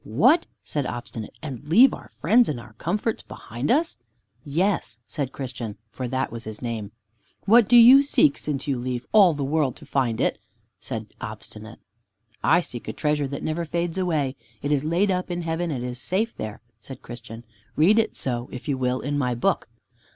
"What!" said Obstinate, "and leave our friends and our comforts behind us!" "Yes," said Christian, for that was his name. "What do you seek, since you leave all the world to find it?" said Obstinate. "I seek a treasure that never fades away. It is laid up in heaven and is safe there," said Christian. "Read it so, if you will, in my book."